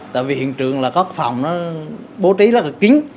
tại vì hiện trường là các phòng nó bố trí rất là kín